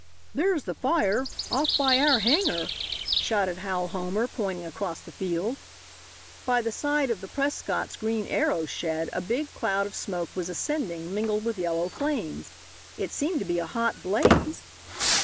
"There's the fire. Off by our hangar!" shouted Hal Homer, pointing across the field. By the side of the Prescott's green aero shed a big cloud of smoke was ascending, mingled with yellow flames. It seemed to be a hot blaze.